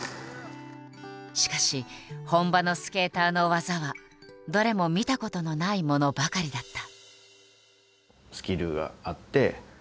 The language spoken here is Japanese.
しかし本場のスケーターの技はどれも見たことのないものばかりだった。